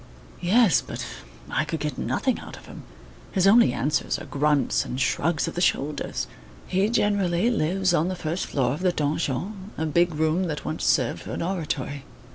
"Yes, but I could get nothing out of him. His only answers are grunts and shrugs of the shoulders. He generally lives on the first floor of the donjon, a big room that once served for an oratory.